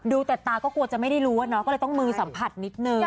ดูแต่ตาก็กลัวจะไม่ได้รู้อะเนาะก็เลยต้องมือสัมผัสนิดนึง